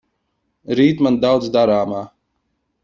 Rīt man daudz darāmā.